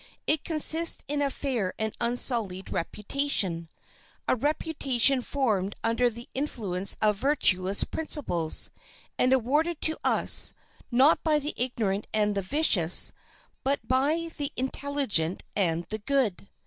It consists in a fair and unsullied reputation—a reputation formed under the influence of virtuous principles, and awarded to us, not by the ignorant and the vicious, but by the intelligent and the good.